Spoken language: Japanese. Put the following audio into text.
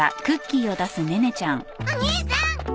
お兄さん！